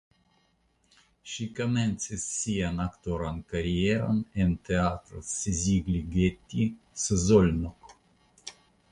Ŝi komencis sian aktoran karieron en Teatro Szigligeti (Szolnok).